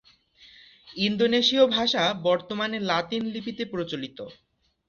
ইন্দোনেশীয় ভাষা বর্তমানে লাতিন লিপিতে প্রচলিত।